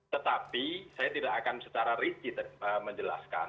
tetapi saya tidak akan secara rinci menjelaskan